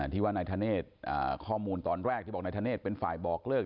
ที่ว่านายธเนธข้อมูลตอนแรกที่บอกนายธเนธเป็นฝ่ายบอกเลิก